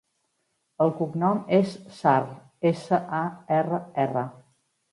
El cognom és Sarr: essa, a, erra, erra.